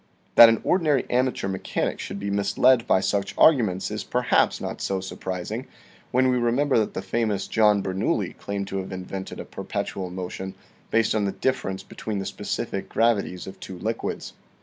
That an ordinary amateur mechanic should be misled by such arguments is perhaps not so surprising, when we re member that the famous John Bernoulli claimed to have invented a perpetual motion based on the difference be tween the specific gravities of two liquids.